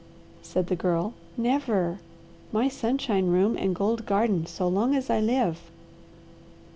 said the Girl. "Never! My sunshine room and gold garden so long as I live.